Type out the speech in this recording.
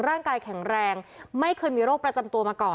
ร่างกายแข็งแรงไม่เคยมีโรคประจำตัวมาก่อน